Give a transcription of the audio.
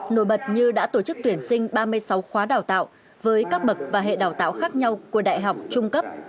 nổi bật như đã tổ chức tuyển sinh ba mươi sáu khóa đào tạo với các bậc và hệ đào tạo khác nhau của đại học trung cấp